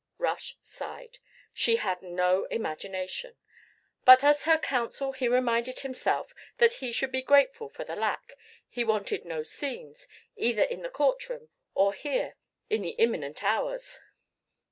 Rush sighed. She had no imagination. But as her counsel he reminded himself that he should be grateful for the lack; he wanted no scenes, either in the courtroom or here in the imminent hours.